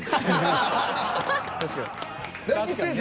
確かに。